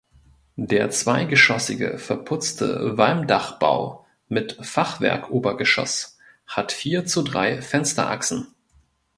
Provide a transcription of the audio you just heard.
Der zweigeschossige verputzte Walmdachbau mit Fachwerkobergeschoss hat vier zu drei Fensterachsen.